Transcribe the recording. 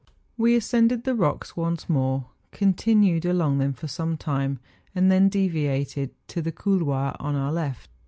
We ascended the rocks once more, continued along them for some time, and then deviated to the couloir on our left.